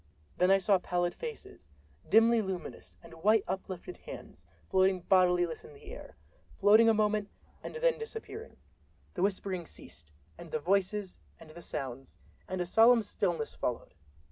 Then I saw pallid faces, dimly luminous, and white uplifted hands, floating bodiless in the air—floating a moment and then disappearing. The whispering ceased, and the voices and the sounds, and a solemn stillness followed.